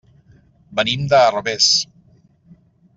Venim de Herbers.